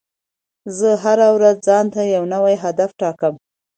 زه هره ورځ ځان ته یو نوی هدف ټاکم.